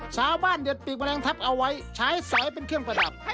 ชาวบ้านเด็ดปีกแมลงทัพเอาไว้ใช้สายเป็นเครื่องประดับ